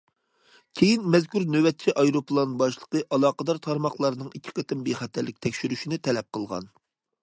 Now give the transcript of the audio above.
كېيىن مەزكۇر نۆۋەتچى ئايروپىلان باشلىقى ئالاقىدار تارماقلارنىڭ ئىككى قېتىم بىخەتەرلىك تەكشۈرۈشىنى تەلەپ قىلغان.